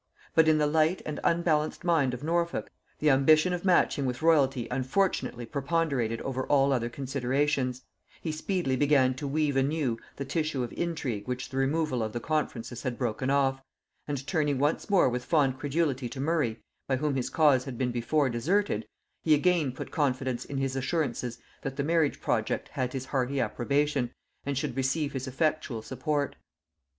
But in the light and unbalanced mind of Norfolk, the ambition of matching with royalty unfortunately preponderated over all other considerations: he speedily began to weave anew the tissue of intrigue which the removal of the conferences had broken off; and turning once more with fond credulity to Murray, by whom his cause had been before deserted, he again put confidence in his assurances that the marriage project had his hearty approbation, and should receive his effectual support.